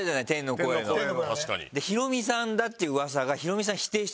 ヒロミさんだっていう噂がヒロミさん否定してたの。